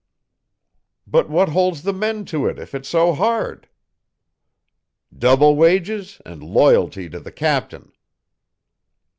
"But what holds the men to it if it's so hard?" "Double wages and loyalty to the captain."